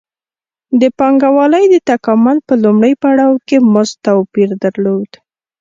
د پانګوالۍ د تکامل په لومړي پړاو کې مزد توپیر درلود